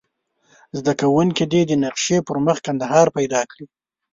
زده کوونکي دې د نقشې پر مخ کندهار پیدا کړي.